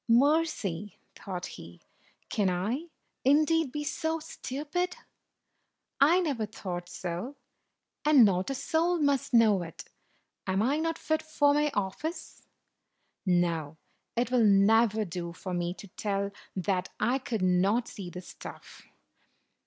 "'Mercy!" thought he. "Can I, indeed, be so stupid? I never thought so, and not a soul must know it. Am I not fit for my office? No, it will never do for me to tell that I could not see the stuff."